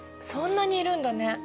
そんなにいるんだね。